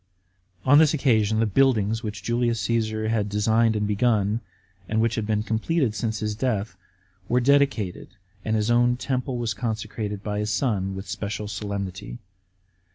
On this occasion the buildings, which Julius Cassar had designed and begun, and which had been completed since his death, were dedicated, and his own temple was consecrated by his son with special solemnity.